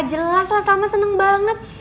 jelas lah sama seneng banget